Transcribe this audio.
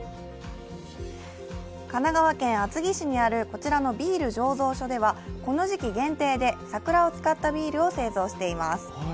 神奈川県厚木市にある、こちらのビール醸造所では、この時期限定で桜を使ったビールを製造しています。